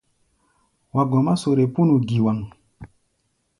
Wa gɔmá sore pínu giwaŋ.